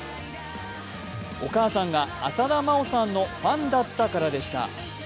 お母さんが浅田真央さんのファンだったからでした。